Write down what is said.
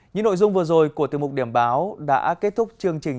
những nội dung vừa rồi của tiêu mục điểm báo đã kết thúc chương trình